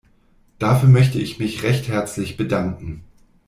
Dafür möchte ich mich recht herzlich bedanken.